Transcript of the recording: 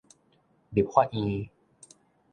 立法院